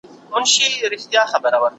که ملت خپل اتحاد ونه ساتي، پرمختګ به ودرېږي.